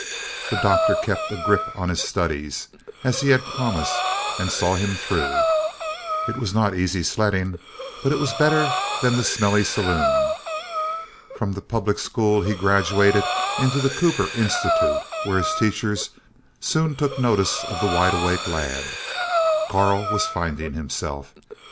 The Doctor kept a grip on his studies, as he had promised, and saw him through. It was not easy sledding, but it was better than the smelly saloon. From the public school he graduated into the Cooper Institute, where his teachers soon took notice of the wide awake lad. Karl was finding himself.